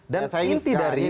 dan inti dari